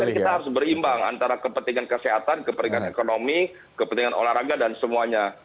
kita harus berimbang antara kepentingan kesehatan kepentingan ekonomi kepentingan olahraga dan semuanya